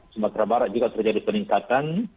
sumatera barat juga terjadi peningkatan